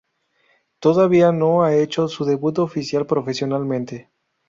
Todavía no ha hecho su debut oficial profesionalmente.